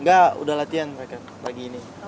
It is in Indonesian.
nggak udah latihan pagi ini